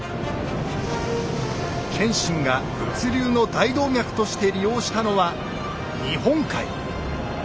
謙信が物流の大動脈として利用したのは日本海。